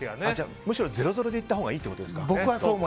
むしろ０−０でいったほうがいいってことですか。